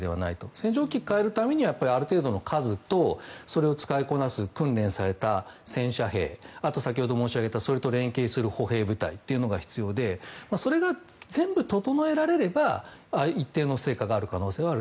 戦場を大きく変えるためにはある程度の数と訓練された戦車兵あとは、それと連係する歩兵部隊というのが必要でそれが全部整えられれば一定の成果が上がる可能性はある。